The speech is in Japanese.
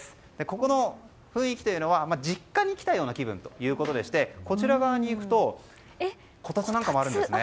ここの雰囲気は実家に来たような気分ということでしてこちら側に行くとこたつなんかもあるんです。